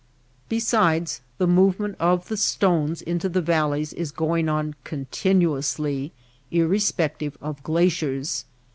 Besides, the movement of the stones into the valleys is going on continuously, irrespective of glaciers.